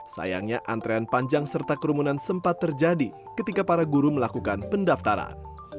sayangnya antrean panjang serta kerumunan sempat terjadi ketika para guru melakukan pendaftaran